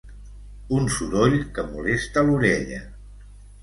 Un soroll que molesta l'orella.